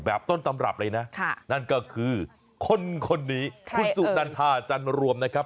ต้นตำรับเลยนะนั่นก็คือคนคนนี้คุณสุนันทาจันรวมนะครับ